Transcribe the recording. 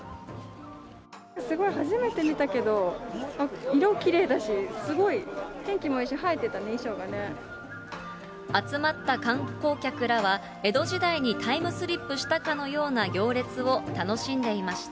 すごい初めて見たけど、色きれいだし、すごい天気もいいし、映えてたね、集まった観光客らは、江戸時代にタイムスリップしたかのような行列を楽しんでいました。